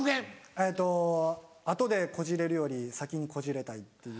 えっと「後でこじれるより先にこじれたい」っていう。